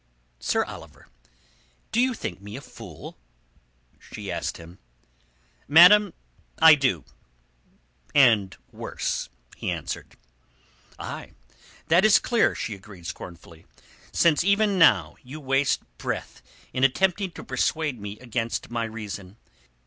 "Sir Oliver, do you think me a fool?" she asked him. "Madam, I do—and worse," he answered. "Ay, that is clear," she agreed scornfully, "since even now you waste breath in attempting to persuade me against my reason.